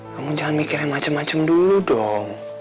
kamu jangan mikir yang macem macem dulu dong